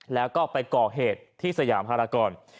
แล้วก็ไปก่อเหตุที่สยามภารกร